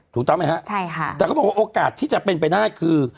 ถูกต้องไหมคะแต่โอกาสที่จะเป็นไปได้คือ